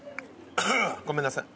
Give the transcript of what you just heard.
ごめんなさい。